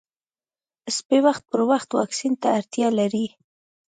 سپي وخت پر وخت واکسین ته اړتیا لري.